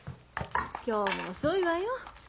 今日も遅いわよ。